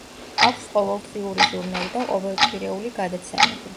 აქვს ყოველთვიური ჟურნალი და ყოველკვირეული გადაცემები.